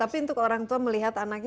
tapi untuk orang tua melihat anaknya